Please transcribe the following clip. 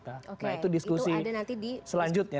nah itu diskusi selanjutnya